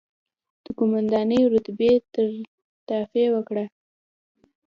د قوماندانۍ رتبې ته ترفېع وکړه،